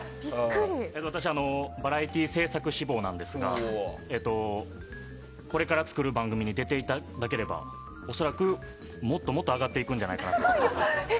私、バラエティー制作志望なんですがこれから作る番組に出ていただければ恐らくもっともっと上がっていくんじゃないかと。